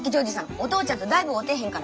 お父ちゃんとだいぶ会うてへんから。